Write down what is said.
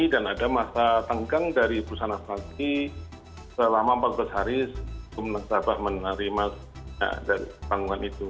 dan ada masa tenggang dari perusahaan asuransi selama empat belas hari selama nasabah menerima tanggapan itu